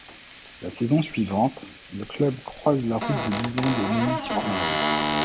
La saison suivante, le club croise la route des Bisons de Neuilly-sur-Marne.